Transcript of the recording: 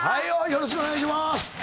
よろしくお願いします。